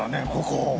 ここ。